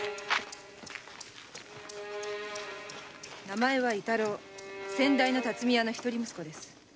名前は伊太郎先代の辰巳屋の一人息子です。